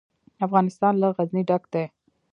افغانستان له غزني ډک دی.